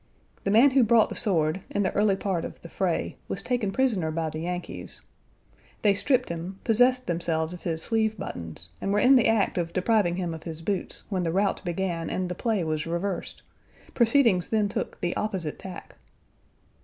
The man who brought the sword, in the early part of the fray, was taken prisoner by the Yankees. They stripped him, possessed themselves of his sleeve buttons, and were in the act of depriving him of his boots when the rout began and the play was reversed; proceedings then took the opposite tack.